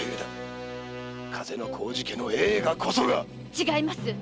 違います！